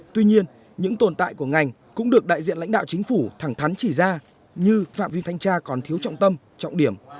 tuy nhiên những tồn tại của ngành cũng được đại diện lãnh đạo chính phủ thẳng thắn chỉ ra như phạm viên thanh tra còn thiếu trọng tâm trọng điểm